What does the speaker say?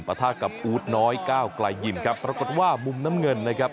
ทากับอู๊ดน้อยก้าวไกลยิมครับปรากฏว่ามุมน้ำเงินนะครับ